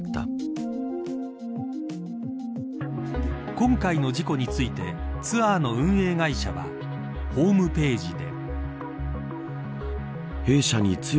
今回の事故についてツアーの運営会社はホームページで。